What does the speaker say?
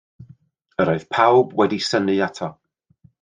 Yr oedd pawb wedi synnu ato.